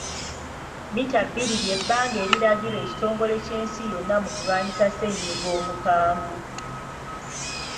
Mmita bbiri ly'ebbanga eriragirwa ekitongole ky'ensi yonna mu kulwanyisa ssennyiga omukambwe.